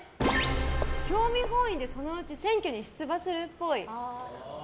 興味本位でそのうち選挙に出馬するっぽい。